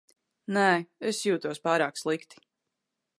Nē, es jūtos pārāk slikti.